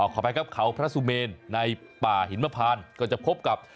ขออภัยครับเขาพระสุเมนในป่าหินมพานก็จะพบกับ